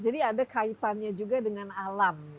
jadi ada kaitannya juga dengan alam